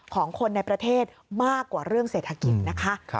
ของคนในประเทศมากกว่าเรื่องเศรษฐกิจนะคะ